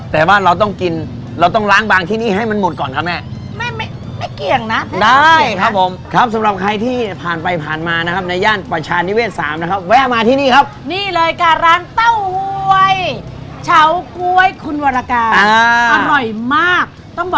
ต้องตบท้ายด้วยของหวานเรามาเริ่มกันที่หน้าตลาดประชาชนิเวศสามซอยสามัคคีกันเลยครับ